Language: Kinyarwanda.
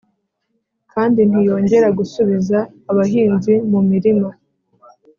kandi ntiyongera gusubiza abahinzi mu mirima.